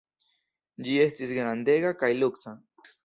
Ĝi estis grandega kaj luksa.